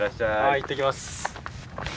行ってきます。